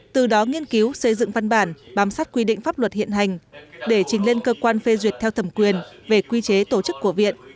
từ đó nghiên cứu xây dựng văn bản bám sát quy định pháp luật hiện hành để trình lên cơ quan phê duyệt theo thẩm quyền về quy chế tổ chức của viện